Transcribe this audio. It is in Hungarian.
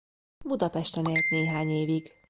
Budapesten élt néhány évig.